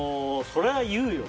それは言うよ。